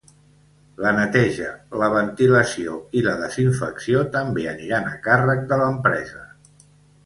La neteja, la ventilació i la desinfecció també aniran a càrrec de l’empresa.